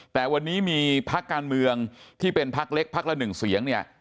แต่วันนี้มีพักการเมืองที่เป็นพักเล็กพักละหนึ่งเสียงเนี่ย